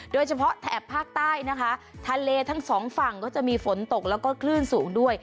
แถบภาคใต้นะคะทะเลทั้งสองฝั่งก็จะมีฝนตกแล้วก็คลื่นสูงด้วย